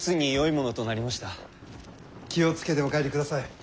気を付けてお帰りくだされ。